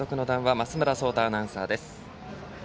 増村聡太アナウンサーです。